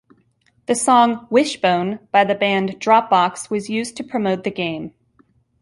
The song "Wishbone" by the band Dropbox was used to promote the game.